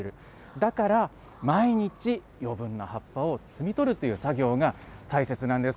だから毎日、余分な葉っぱを摘み取るという作業が大切なんです。